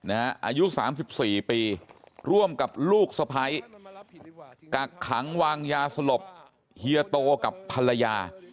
อายุสามสิบสี่ปีร่วมกับลูกสภัยกักขังวางยาสลบเฮตโตกับภรรยา